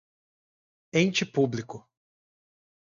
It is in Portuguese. ente público